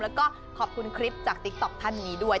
แล้วก็ขอบคุณคลิปจากติ๊กต๊อกท่านนี้ด้วย